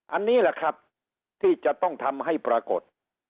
อันนี้แหละครับที่จะต้องทำให้ปรากฏ